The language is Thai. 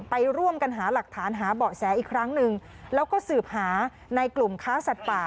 ไปร่วมกันหาหลักฐานหาเบาะแสอีกครั้งหนึ่งแล้วก็สืบหาในกลุ่มค้าสัตว์ป่า